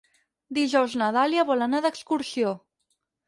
Dijous na Dàlia vol anar d'excursió.